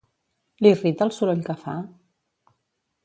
L'irrita el soroll que fa?